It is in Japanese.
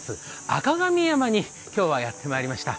赤神山に今日はやってまいりました、